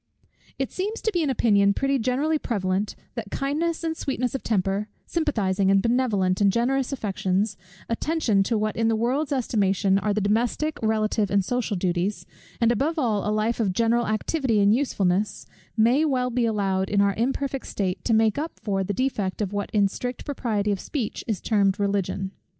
It seems to be an opinion pretty generally prevalent, that kindness and sweetness of temper; sympathizing, and benevolent, and generous affections; attention to what in the world's estimation are the domestic, relative, and social duties; and above all a life of general activity and usefulness, may well be allowed, in our imperfect state, to make up for the defect of what in strict propriety of speech is termed Religion.